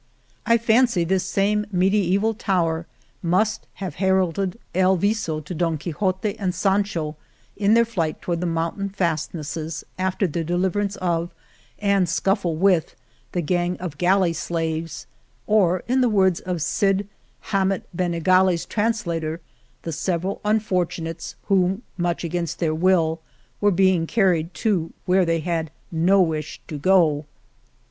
I fancy this same mediaeval tower must have heralded El Viso to Don Quixote and Sancho in their flight toward the mountain fastnesses after their deliverance of, and scuffle with, the gang of galley slaves, or in the words of Cid Hamet Benengali's translator, " the several unfortunates who, much against their will, were being carried to where they had no wish to go."